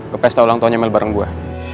ke pesta ulang tahunnya mel bareng gue